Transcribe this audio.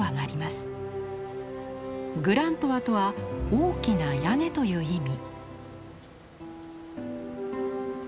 グラントワとは「大きな屋根」という意味。